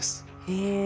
へえ。